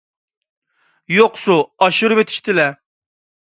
يوقسۇ! ئاشۇرۇۋېتىشتىلە!